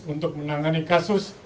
untuk menangani kasus